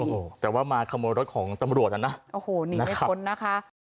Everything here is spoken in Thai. โอ้โหแต่ว่ามาขโมยรถของตำรวจอ่ะนะโอ้โหหนีไม่พ้นนะคะ